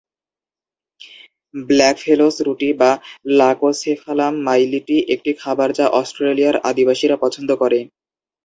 Blackfellow's রুটি, বা "লাকোসেফালাম মাইলিটি", একটি খাবার যা অস্ট্রেলিয়ার আদিবাসীরা পছন্দ করে।